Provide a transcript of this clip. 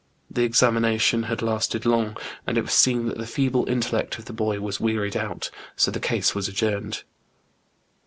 The examination had lasted long, and it was soon that the feeble intellect of the boy was wearied out, so the case was adjourned.